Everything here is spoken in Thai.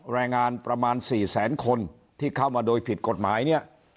แรงงานประมาณ๔แสนคนที่เข้ามาโดยผิดกฎหมายเนี่ย